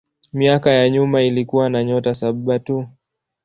Miaka ya nyuma ilikuwa na nyota saba tu.